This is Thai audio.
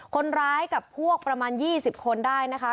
คนร้ายกับพวกประมาณ๒๐คนได้นะคะ